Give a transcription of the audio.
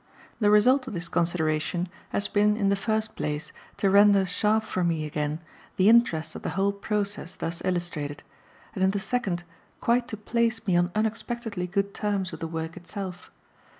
The result of this consideration has been in the first place to render sharp for me again the interest of the whole process thus illustrated, and in the second quite to place me on unexpectedly good terms with the work itself.